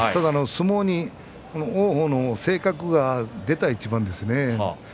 相撲に王鵬の性格が出た一番ですね。